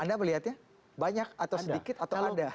anda melihatnya banyak atau sedikit atau ada